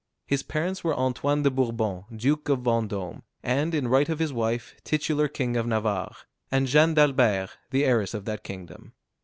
His parents were Antoine de Bourbon, Duke of Vendôme, and in right of his wife, titular king of Navarre, and Jeanne d'Albert, the heiress of that kingdom.